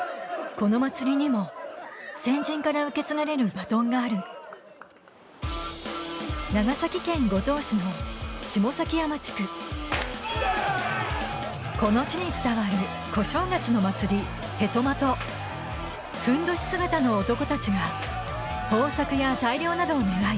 このまつりにも先人から受け継がれるバトンがあるこの地に伝わる小正月のまつりヘトマトふんどし姿の男たちが豊作や大漁などを願い